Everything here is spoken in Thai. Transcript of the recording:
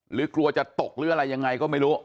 หรือกลัวจะตกหรืออะไรยังไงก็ไม่รู้